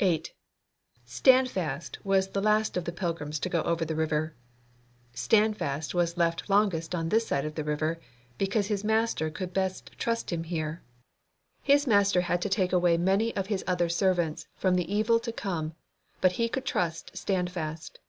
8. Standfast was the last of the pilgrims to go over the river. Standfast was left longest on this side the river because his Master could best trust him here. His Master had to take away many of His other servants from the evil to come, but He could trust Standfast.